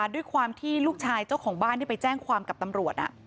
ด้วยความที่ลูกชายเจ้าของบ้านที่ไปแจ้งความกับตำรวจ